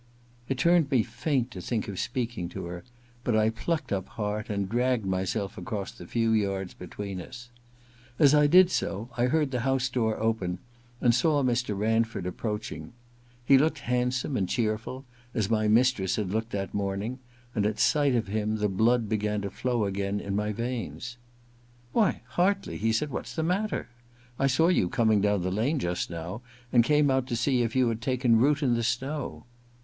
It turned me faint to think of speaking to her ; but I plucked up heart and dragged my self across the few yards between us. As 1 did SO) I heard the house door open and saw Mr. Ranford approaching. He looked handsome and cheerful, as my mistress had looked that morning, and at sight of him the blood began to flow again in my veins. * Why, Hartley,' said he, * what's the matter ? I saw you coming down the lane just now, and came out to see if you had taken root in the snow.'